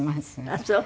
あっそう。